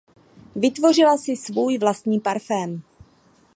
Vytvořila i svůj vlastní parfém.